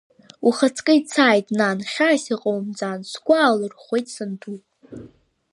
Ухаҵкы ицааит, нан, хьаас иҟоумҵан, сгәы аалырӷәӷәеит санду.